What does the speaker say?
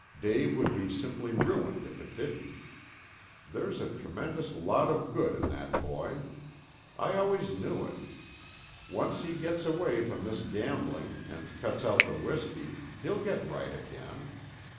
Dave would be simply ruined if it didn't. There's a tremendous lot of good in that boy. I always knew it. Once he gets away from this gambling, and cuts out the whiskey, he'll get right again.